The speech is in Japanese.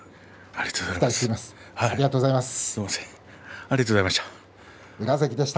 ありがとうございます。